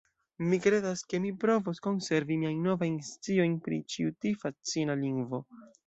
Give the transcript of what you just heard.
Mi kredas ke mi provos konservi miajn novajn sciojn pri ĉi tiu fascina lingvo.